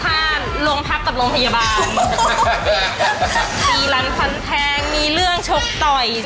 โรงพักกับโรงพยาบาลมีหลานฟันแทงมีเรื่องชกต่อย